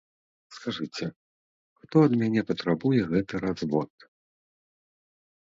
Скажыце, хто ад мяне патрабуе гэты развод?